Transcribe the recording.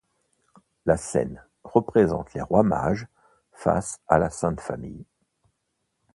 La scène représente les rois mages face à la sainte Famille.